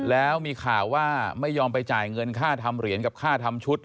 แล้วมีข่าวว่าไม่ยอมไปจ่ายเงินค่าทำเหรียญกับค่าทำชุด